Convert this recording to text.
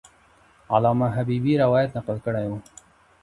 علامه حبیبي روایت نقل کړی وو.